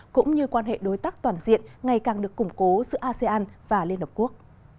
cũng như quan hệ đối tác toàn diện ngày càng được củng cố giữa asean và liên hợp quốc